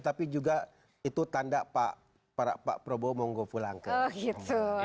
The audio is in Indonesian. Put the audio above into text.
tapi juga itu tanda pak probo mau pulang ke solo